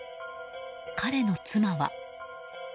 彼の妻は。